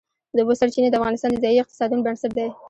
د اوبو سرچینې د افغانستان د ځایي اقتصادونو بنسټ دی.